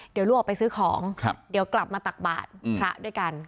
เดี๋ยวลูกออกไปซื้อของเดี๋ยวกลับมาตักบาทพระด้วยกัน